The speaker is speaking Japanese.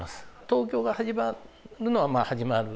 東京が始まるのは始まる。